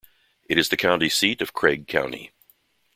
It is the county seat of Craig County.